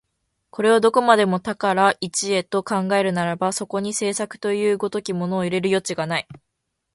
これをどこまでも多から一へと考えるならば、そこに製作という如きものを入れる余地がない。